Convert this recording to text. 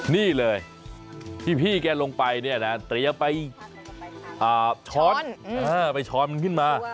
นี่เลยที่พี่แกลงไปเนี่ยนะเตรียมไปช้อนไปช้อนมันขึ้นมา